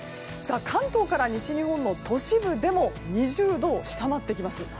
関東から西日本の都市部でも２０度を下回ってきます。